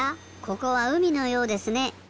ここはうみのようですね。